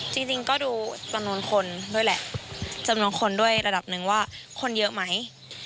จริงก็ดูจำนวนคนด้วยแหละจำนวนคนด้วยระดับหนึ่งว่าคนเยอะไหม